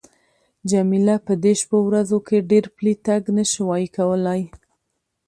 جميله په دې شپو ورځو کې ډېر پلی تګ نه شوای کولای.